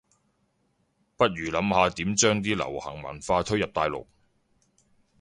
不如諗下點將啲流行文化推入大陸